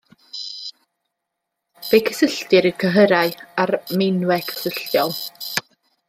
Fe'i cysylltir i'r cyhyrau a'r meinwe cysylltiol.